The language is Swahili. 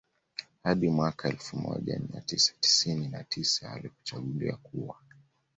Hadi mwaka elfu moja mia tisa tisini na tisa alipochaguliwa kuwa